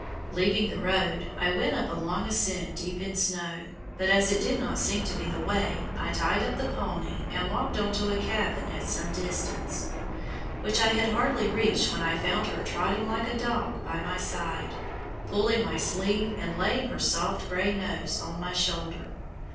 Leaving the road, I went up a long ascent deep in snow, but as it did not seem to be the way, I tied up the pony, and walked on to a cabin at some distance, which I had hardly reached when I found her trotting like a dog by my side, pulling my sleeve and laying her soft gray nose on my shoulder.